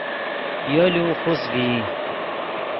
یولو خوست ڤئی